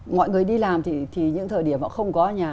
mọi người đi làm thì những thời điểm họ không có nhà